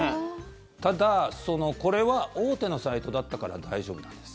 ただ、これは大手のサイトだったから大丈夫なんです。